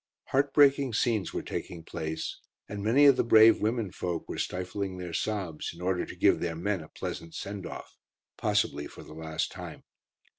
Heartbreaking scenes were taking place, and many of the brave women folk were stifling their sobs, in order to give their men a pleasant send off, possibly for the last time.